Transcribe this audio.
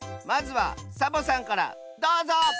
まずはサボさんからどうぞ！